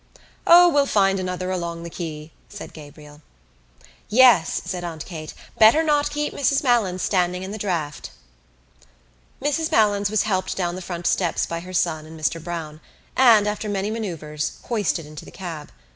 "O, we'll find another along the quay," said Gabriel. "Yes," said Aunt Kate. "Better not keep Mrs Malins standing in the draught." Mrs Malins was helped down the front steps by her son and Mr Browne and, after many manœuvres, hoisted into the cab.